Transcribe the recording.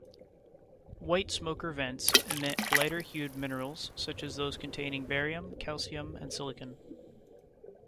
White smoker vents emit lighter-hued minerals, such as those containing barium, calcium and silicon.